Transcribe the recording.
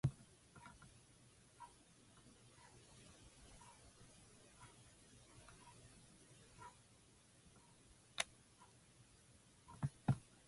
Being successful, intercultural learning results in culturally competent learners.